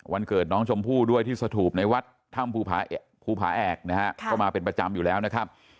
เกิดน้องชมพู่ด้วยที่สถูปในวัดถ้ำภูผาแอกนะฮะก็มาเป็นประจำอยู่แล้วนะครับ